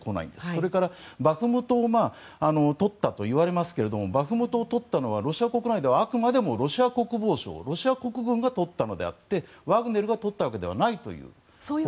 それからバフムトを取ったといわれますけどもバフムトを取ったのはロシア国内ではあくまでもロシア国防省ロシア国軍が取ったのであってワグネルが取ったわけではないという。